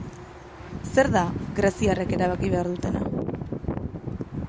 Zer da greziarrek erabaki behar dutena?